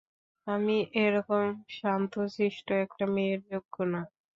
আমি এরকম শান্ত শিষ্ট একটা মেয়ের যোগ্য না।